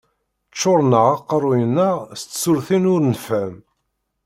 Ččuren-aɣ aqerru-nneɣ s tsurtin ur nfehhem.